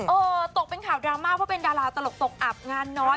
ตกเป็นข่าวดราม่าว่าเป็นดาราตลกตกอับงานน้อย